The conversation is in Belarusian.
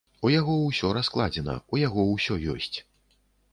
У яго ўсё раскладзена, у яго ўсё ёсць.